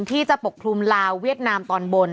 ที่จะปกคลุมลาวเวียดนามตอนบน